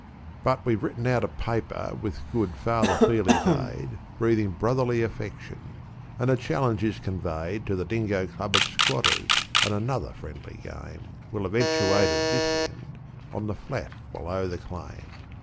But we've written out a paper, with good Father Feeley's aid, Breathing brotherly affection; and the challenge is conveyed To the Dingo Club at Squatter's, and another friendly game Will eventuate at this end, on the flat below the claim.